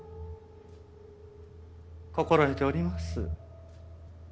心得ております。